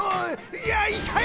いやいたい！